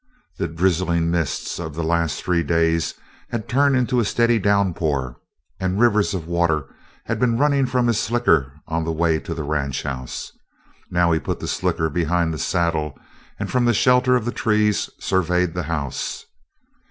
The drizzling mists of the last three days had turned into a steady downpour, and rivers of water had been running from his slicker on the way to the ranch house. Now he put the slicker behind the saddle, and from the shelter of the trees surveyed the house.